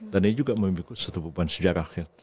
dan ini juga memikirkan sebuah sejarah